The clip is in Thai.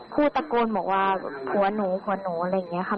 พูดตะโกนบอกว่าผัวหนูผัวหนูอะไรอย่างนี้ค่ะ